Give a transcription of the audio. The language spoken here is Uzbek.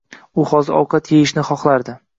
U hozir ovqat eyishni xohlardi